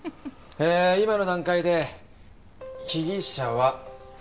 えー今の段階で被疑者は３人。